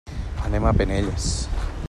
Anem a Penelles.